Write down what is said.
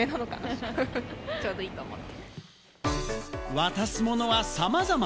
渡すものは、さまざま。